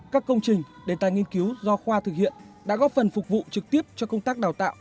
các công trình đề tài nghiên cứu do khoa thực hiện đã góp phần phục vụ trực tiếp cho công tác đào tạo